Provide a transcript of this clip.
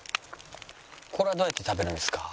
これはどうやって食べるんですか？